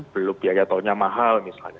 belum biaya tolnya mahal misalnya